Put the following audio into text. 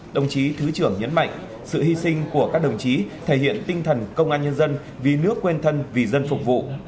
đồng chí thứ trưởng nhấn mạnh sự hy sinh của các đồng chí thể hiện tinh thần công an nhân dân vì nước quên thân vì dân phục vụ